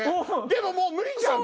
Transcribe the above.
でももう無理じゃん